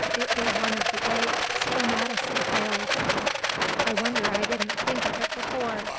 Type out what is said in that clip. It be one o' the great spermaceti whales. I wonder I didn't think o't afore.